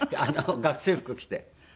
学生服着て。